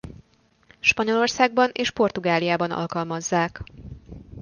Spanyolországban és Portugáliában alkalmazzák.